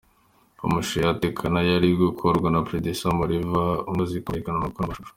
Ama mashusho ya ‘Tekana’ ari gukorwa na producer Mariva umaze kumenyekana mu gukora amashusho.